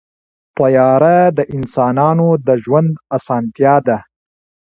طیاره د انسانانو د ژوند اسانتیا ده.